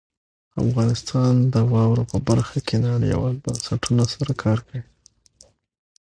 افغانستان د واوره په برخه کې نړیوالو بنسټونو سره کار کوي.